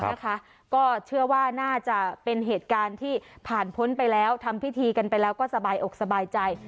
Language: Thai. นะคะก็เชื่อว่าน่าจะเป็นเหตุการณ์ที่ผ่านพ้นไปแล้วทำพิธีกันไปแล้วก็สบายอกสบายใจ